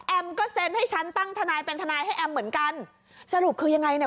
ก็เซ็นให้ฉันตั้งทนายเป็นทนายให้แอมเหมือนกันสรุปคือยังไงเนี่ย